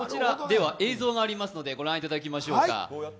映像がありますので、ご覧いただきましょうか。